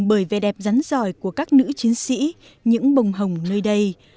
bởi vẻ đẹp rắn giỏi của các nữ chiến sĩ những bông hồng nơi đây